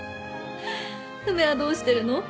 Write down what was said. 梅はどうしてるの？